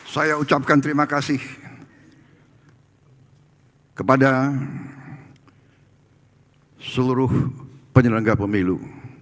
saya ucapkan terima kasih kepada seluruh penyelenggara pemilu